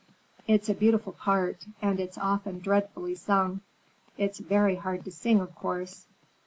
"It's a beautiful part, and it's often dreadfully sung. It's very hard to sing, of course."